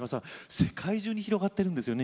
世界中に広がってるんですよね。